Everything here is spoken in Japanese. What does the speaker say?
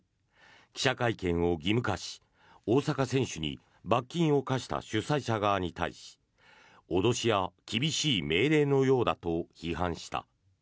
記者会見を義務化し大坂選手に罰金を科した主催者側に対し脅しや厳しい命令のようだと批判した。